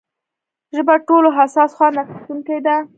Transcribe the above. ژبه ټولو حساس خوند اخیستونکې ده.